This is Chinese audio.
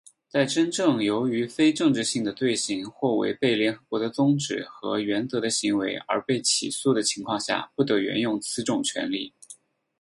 在真正由于非政治性的罪行或违背联合国的宗旨和原则的行为而被起诉的情况下,不得援用此种权利。